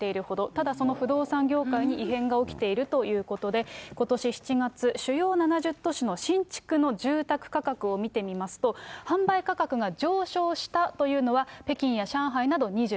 ただ、その不動産業界に異変が起きているということで、ことし７月、主要７０都市の新築の住宅価格を見てみますと、販売価格が上昇したというのは、北京や上海など２０。